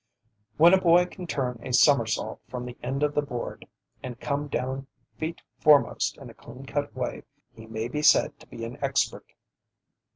When a boy can turn a somersault from the end of the board, and come down feet foremost in a clean cut way, he may be said to be an expert.